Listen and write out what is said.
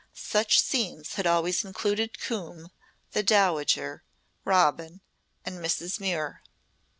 Such scenes had always included Coombe, the Dowager, Robin and Mrs. Muir.